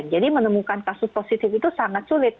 jadi menemukan kasus positif itu sangat sulit